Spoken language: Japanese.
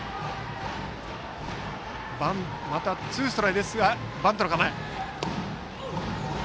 ツーストライクですがバントの構え。